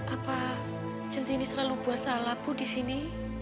apa centini selalu buat salah bu di sini